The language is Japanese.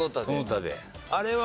あれは？